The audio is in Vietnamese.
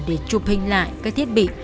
để chụp hình lại các thiết bị